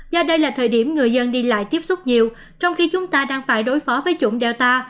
do đây là thời điểm người dân đi lại tiếp xúc nhiều trong khi chúng ta đang phải đối phó với chủng delta